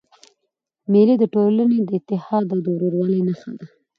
مېلې د ټولني د اتحاد او ورورولۍ نخښه ده.